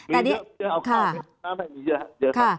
มีเยอะค่ะ